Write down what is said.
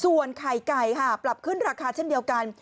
ส่วนไข่ไก่ค่ะปรับขึ้นราคาเช่นเดียวกัน